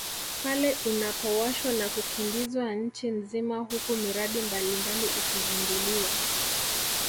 Pale unapowashwa na kukimbizwa nchi nzima huku miradi mbalimbali ikizinduliwa